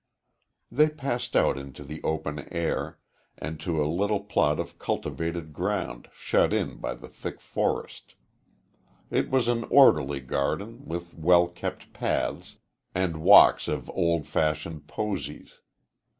They passed out into the open air, and to a little plot of cultivated ground shut in by the thick forest. It was an orderly garden, with well kept paths, and walks of old fashioned posies.